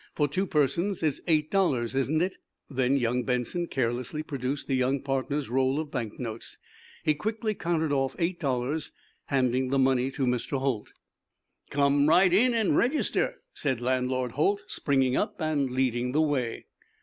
For two persons it's eight dollars, isn't it?" Then young Benson carelessly produced the young partners' roll of banknotes. He quickly counted off eight dollars, handing the money to Mr. Holt. "Come right in an' register," said Landlord Holt, springing up and leading the way.